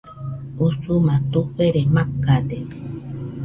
Usuma tufere macade